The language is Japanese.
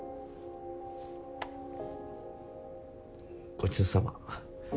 ごちそうさま。